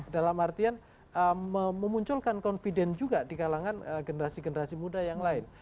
dalam artian memunculkan confident juga di kalangan generasi generasi muda yang lain